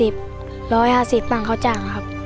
๑๕๐บาทมั่งเขาจ้างครับ